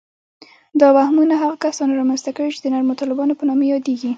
دا وهمونه هغو کسانو رامنځته کړي چې د نرمو طالبانو په نامه یادیږي